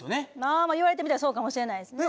ああまあ言われてみればそうかもしれないですね。